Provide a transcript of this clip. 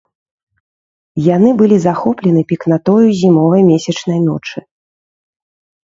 Яны былі захоплены пекнатою зімовай месячнай ночы.